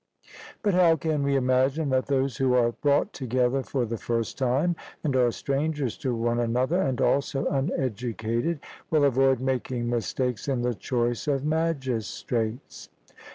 But how can we imagine that those who are brought together for the first time, and are strangers to one another, and also uneducated, will avoid making mistakes in the choice of magistrates?